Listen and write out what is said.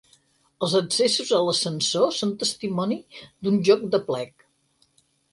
Els accessos als ascensors són testimonis d'un joc d'aplec.